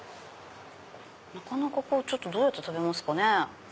なかなかこうどうやって食べますかね。